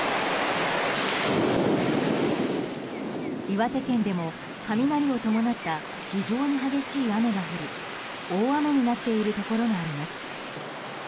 岩手県でも雷を伴った非常に激しい雨が降り大雨になっているところがあります。